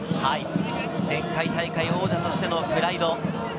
前回大会王者としてのプライド。